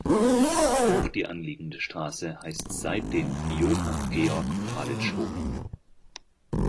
Auch die anliegende Straße heißt seitdem Johann-Georg-Palitzsch-Hof.